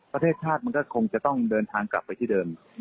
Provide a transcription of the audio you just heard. ประเทศชาติมันก็คงจะต้องเดินทางกลับไปที่เดิม